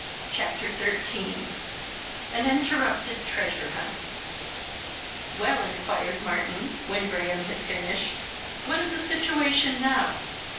CHAPTER XIII AN INTERRUPTED TREASURE HUNT "Well," inquired Martyn, when Graham? had finished, "what is the situation now?"